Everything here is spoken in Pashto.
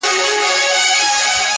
په هر موج کې سيلابونه -